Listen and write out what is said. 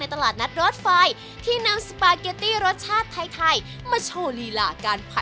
ตลาดนัดรถไฟที่นำสปาเกตตี้รสชาติไทยมาโชว์ลีลาการผัด